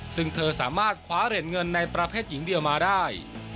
ซึ่งเธอสามารถคว้าเหรียญเงินในประเภทหญิงเดียวมาได้